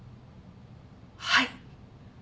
はい。